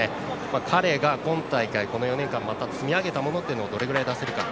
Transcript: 彼が今大会、この４年間でまた積み上げたものをどれくらい出せるか。